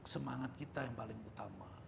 semangat kita yang paling utama